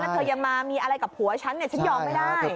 ถ้าเธอยังมามีอะไรกับผัวฉันฉันยอมไม่ได้